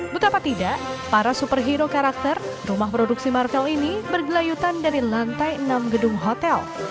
betapa tidak para superhero karakter rumah produksi marvel ini bergelayutan dari lantai enam gedung hotel